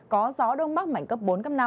có gió đông bắc mảnh cấp bốn năm